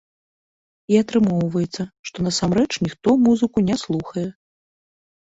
І атрымоўваецца, што насамрэч ніхто музыку не слухае.